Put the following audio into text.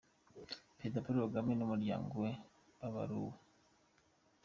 Perezida Paul Kagame n’umuryango we babaruwe